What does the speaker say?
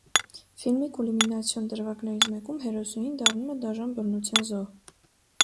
Ֆիլմի կուլմինացիոն դրվագներից մեկում հերոսուհին դառնում է դաժան բռնության զոհ։